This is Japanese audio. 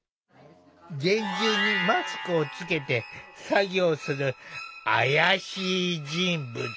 厳重にマスクをつけて作業する怪しい人物。